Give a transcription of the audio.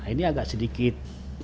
ini agak sedikit